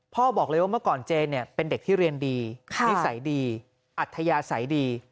พ่อบอกเลยว่าเมื่อก่อนเจเนี่ยเป็นเด็กที่เรียนดีนิสัยดีอัธยาศัยดี